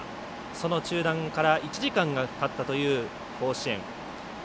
その中断から１時間がたったという甲子園。